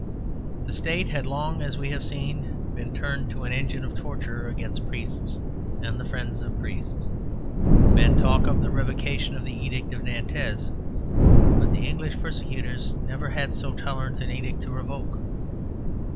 The State had long, as we have seen, been turned to an engine of torture against priests and the friends of priests. Men talk of the Revocation of the Edict of Nantes; but the English persecutors never had so tolerant an edict to revoke.